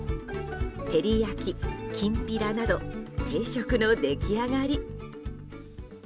照り焼き、きんぴらなど定食の出来上がり。